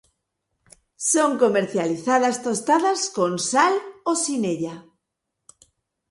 Son comercializadas tostadas con sal o sin ella.